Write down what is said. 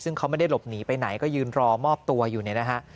ซึ่งเขาไม่ได้หลบหนีไปไหนก็ยืนรอมอบตัวอยู่เนี่ยนะฮะ